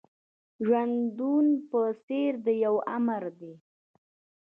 ژوندون په څېر د يوه آمر دی.